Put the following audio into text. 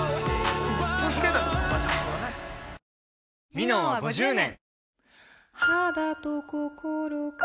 「ミノン」は５０年！